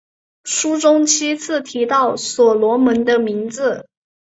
书中七次提到所罗门的名字。